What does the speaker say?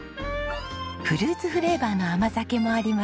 フルーツフレーバーの甘酒もあります。